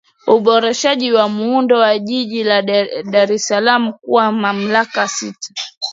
Uboreshaji wa Muundo wa Jiji la Dar es Salaam kuwa mamlaka sita